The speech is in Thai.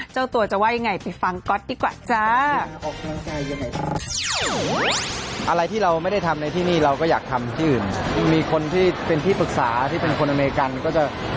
เจ้าตัวจะว่ายังไงไปฟังก๊อตดีกว่าจ้า